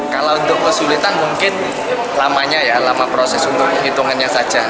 kalau untuk kesulitan mungkin lamanya ya lama proses untuk penghitungannya saja